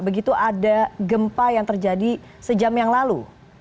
begitu ada gempa yang terjadi sejam yang lalu